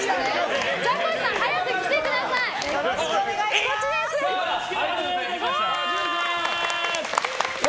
よろしくお願いします笑